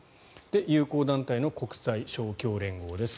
友好団体の国際勝共連合です